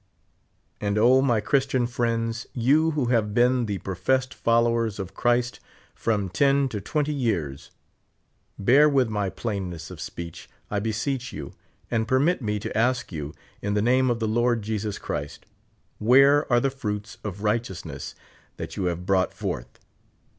And O, my Christian friends, you who have been the pro fessed followers of Christ from ten to twenty years, bear with my plainness of speech, I beseech you, and permit me to ask you, in the name of the Lord Jesus Christ, where are the fruits of righteousness that you have brought forth?